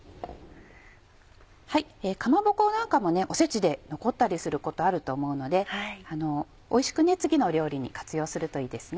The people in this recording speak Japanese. かまぼこなんかもおせちで残ったりすることあると思うのでおいしく次の料理に活用するといいですね。